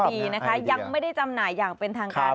ดีนะคะยังไม่ได้จำหน่ายอย่างเป็นทางการ